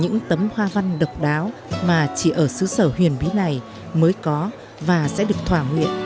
những tấm hoa văn độc đáo mà chỉ ở xứ sở huyền bí này mới có và sẽ được thỏa nguyện